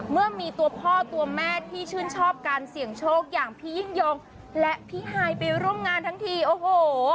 เมื่อมีตัวพ่อตัวแม่ที่ชื่นชอบการเสี่ยงโชคอย่างพี่ยิ่งยงและพี่ฮายไปร่วมงานทั้งทีโอ้โห